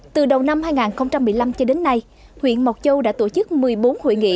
từ đầu năm hai nghìn một mươi năm cho đến nay huyện mộc châu đã tổ chức một mươi bốn hội nghị